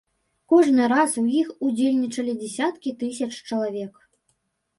Кожны раз у іх удзельнічалі дзясяткі тысяч чалавек.